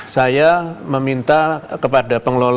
saya meminta kepada tni polri dan polri